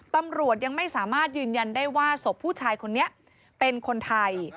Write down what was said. ตำรวจยังไม่สามารถยืนยันได้ว่าศพผู้ชายคนนี้เป็นคนไทย